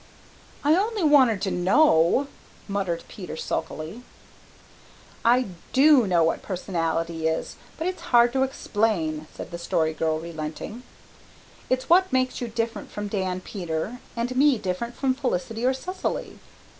"I only wanted to know," muttered Peter sulkily. "I DO know what personality is, but it's hard to explain," said the Story Girl, relenting. "It's what makes you different from Dan, Peter, and me different from Felicity or Cecily.